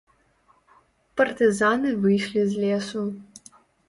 Партызаны выйшлі з лесу.